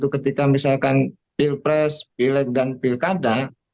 ketika misalkan pilpres pileg dan pilkada